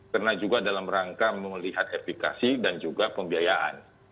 karena juga dalam rangka melihat aplikasi dan juga pembiayaan